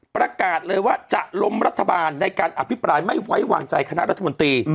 ประกาศเลยว่าจะล้มรัฐบาลในการอภิปรายไม่ไว้วางใจคณะรัฐมนตรี